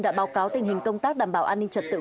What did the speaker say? đã báo cáo tình hình công tác đảm bảo an ninh trật tự